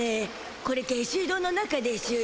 これ下水道の中でしゅよ。